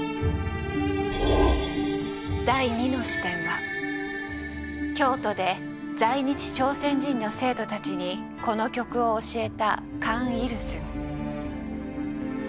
第２の視点は京都で在日朝鮮人の生徒たちにこの曲を教えたカン・イルスン。